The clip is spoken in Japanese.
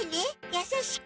やさしく。